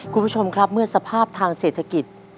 คุณผู้ชมครับเมื่อสภาพทางเศรษฐกิจ